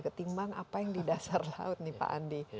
ketimbang apa yang di dasar laut nih pak andi